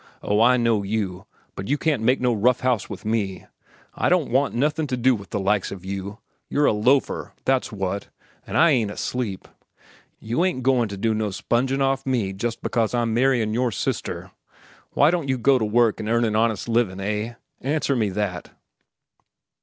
Oh, I know you, but you can't make no rough house with me. I don't want nothin' to do with the likes of you. You're a loafer, that's what, an' I ain't asleep. You ain't goin' to do no spongin' off me just because I'm marryin' your sister. Why don't you go to work an' earn an honest livin', eh? Answer me that."